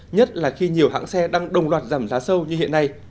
nhất là khi nhiều hãng xe đang đồng loạt giảm giá sâu như hiện nay